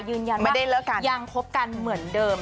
ยืนยันว่ายังพบกันเหมือนเดิม